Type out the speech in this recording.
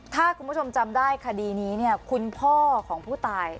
ถ้าคุณผู้ชมจำได้คดีนี้เนี่ยคุณพ่อของผู้ตาย